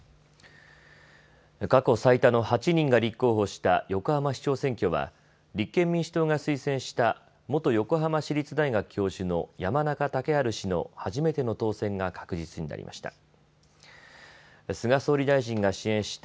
過去最多の８人が立候補した横浜市長選挙は立憲民主党が推薦した元横浜市立大学教授の山中竹春氏の初めての当選が確実になりました。